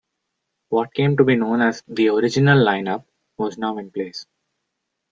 What came to be known as "the original line up" was now in place.